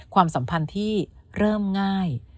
ความสัมพันธ์ที่เริ่มง่าย